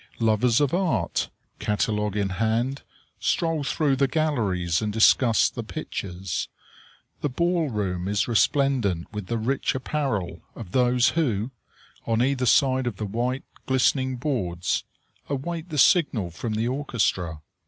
Lovers of art, catalogue in hand, stroll through the galleries and discuss the pictures. The ball room is resplendent with the rich apparel of those who, on either side of the white, glistening boards, await the signal from the orchestra.